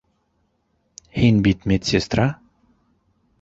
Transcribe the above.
Һин бит медсестра.